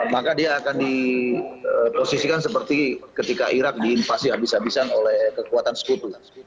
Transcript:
maka dia akan diposisikan seperti ketika irak diinvasi habis habisan oleh kekuatan sekutu